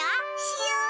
しよう！